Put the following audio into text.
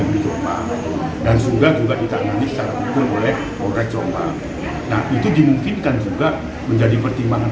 kisah kisah yang terjadi di indonesia